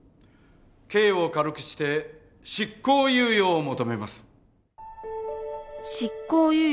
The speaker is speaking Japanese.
刑を軽くして執行猶予を求めます。